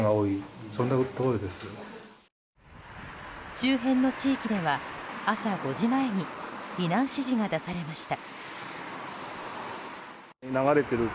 周辺の地域では朝５時前に避難指示が出されました。